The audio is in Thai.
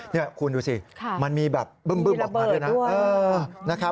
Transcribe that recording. นี่คุณดูสิมันมีแบบบึ้มออกมาด้วยนะ